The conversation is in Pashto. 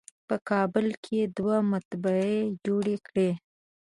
په کابل کې یې دوه مطبعې جوړې کړې.